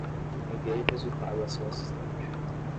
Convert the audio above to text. Enviei o resultado a seu assistente.